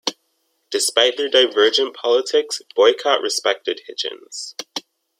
Despite their divergent politics, Boycott respected Hitchens.